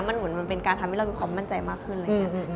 มันเหมือนมันเป็นการทำให้เรามีความมั่นใจมากขึ้นอะไรอย่างนี้